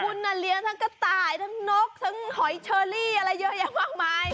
คุณน่ะเลี้ยงทั้งกระต่ายทั้งนกทั้งหอยเชอรี่อะไรเยอะแยะมากมาย